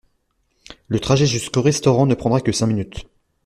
La trajet jusqu'au restaurant ne prendra que cinq minutes.